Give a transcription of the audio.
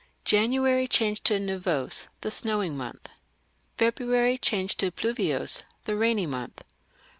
Janiiaiy, changed to Nivose, the snowing month. February „„ Pluviose, the rainy month.